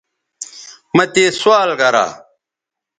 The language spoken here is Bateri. مہ تے سوال گرا